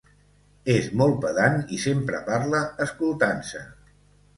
És molt pedant i sempre parla escoltant-se.